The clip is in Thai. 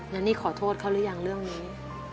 แล้วนี่ขอโทษเขาหรือยังเรื่องนี้